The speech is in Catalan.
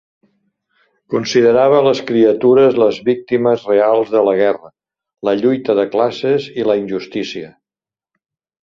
Considerava les criatures les víctimes reals de la guerra, la lluita de classes i la injustícia.